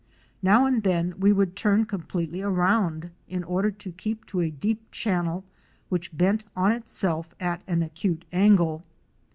Now and then we would turn completely around in order to keep to a deep channel which bent on itself at an acute angle.